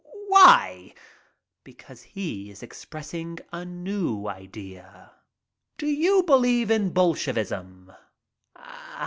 "Why?" "Because he is expressing a new idea." "Do you believe in Bolshevism?"